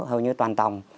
hầu như toàn tòng